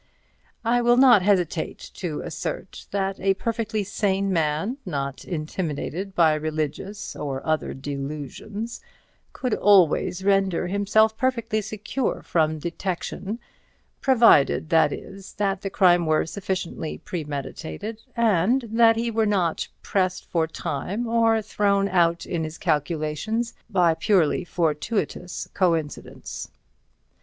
I will not hesitate to assert that a perfectly sane man, not intimidated by religious or other delusions, could always render himself perfectly secure from detection, provided, that is, that the crime were sufficiently premeditated and that he were not pressed for time or thrown out in his calculations by purely fortuitous coincidence.